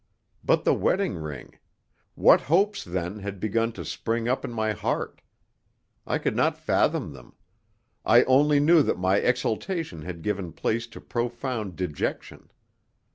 But the wedding ring what hopes, then, had begun to spring up in my heart? I could not fathom them; I only knew that my exaltation had given place to profound dejection.